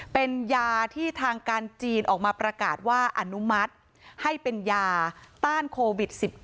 เป็นยาที่ทางการจีนออกมาประกาศว่าอนุมัติให้เป็นยาต้านโควิด๑๙